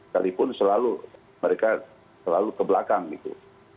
sekalipun selalu mereka selalu ke belakang gitu